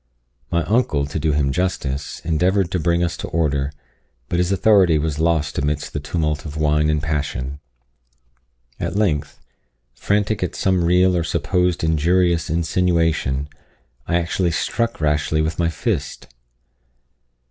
My uncle, to do him justice, endeavoured to bring us to order; but his authority was lost amidst the tumult of wine and passion. At length, frantic at some real or supposed injurious insinuation, I actually struck Rashleigh with my fist.